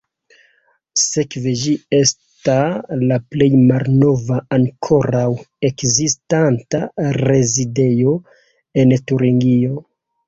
Sekve ĝi esta la plej malnova ankoraŭ ekzistanta rezidejo en Turingio.